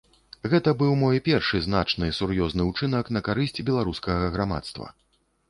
Гэта быў мой першы значны сур'ёзны ўчынак на карысць беларускага грамадства.